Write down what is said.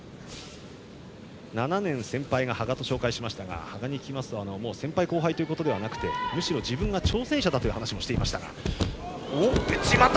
７年先輩が羽賀と紹介しましたが羽賀に聞くと先輩・後輩ということではなくてむしろ自分が挑戦者だという話もしていましたが。